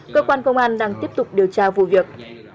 cơ quan công an đang tiếp tục điều tra vụ việc